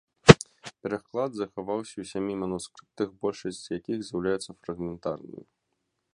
Пераклад захаваўся ў сямі манускрыптах, большасць з якіх з'яўляюцца фрагментарнымі.